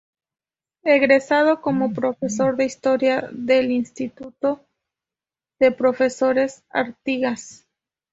Egresado como profesor de historia del Instituto de Profesores Artigas.